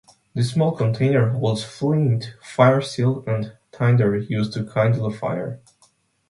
This small container holds flint, fire steel, and tinder used to kindle a fire.